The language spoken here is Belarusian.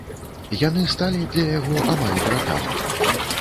Яны сталі для яго амаль братамі.